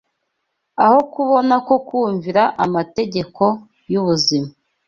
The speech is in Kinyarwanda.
Aho kubona ko kumvira amategeko y’ubuzima